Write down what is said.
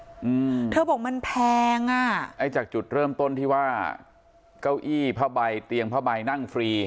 อืมเธอบอกมันแพงอ่ะไอ้จากจุดเริ่มต้นที่ว่าเก้าอี้ผ้าใบเตียงผ้าใบนั่งฟรี